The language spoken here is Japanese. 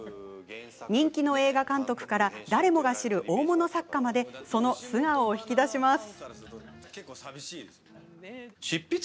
人気の映画監督から誰もが知る大物作家までその素顔を引き出します。